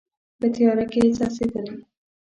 په تیاره کې څڅیدلې